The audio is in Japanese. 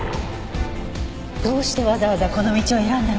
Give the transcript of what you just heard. どうしてわざわざこの道を選んだのかしら。